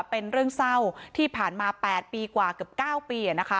เป็นเรื่องเศร้าที่ผ่านมา๘ปีกว่าเกือบ๙ปีนะคะ